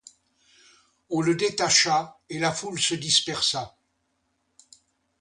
On le détacha, et la foule se dispersa.